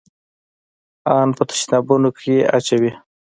ان په تشنابونو کښې يې اچوي.